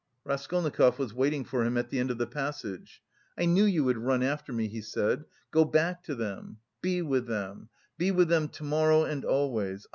Raskolnikov was waiting for him at the end of the passage. "I knew you would run after me," he said. "Go back to them be with them... be with them to morrow and always....